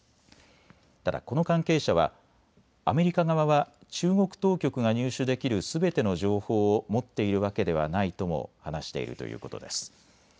ただ、この関係者はアメリカ側は中国当局が入手できるすべての情報を持っているわけではないとも話しているということです。